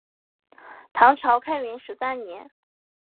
唐朝开元十三年。